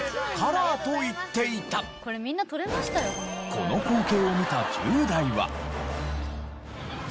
この光景を見た１０代は。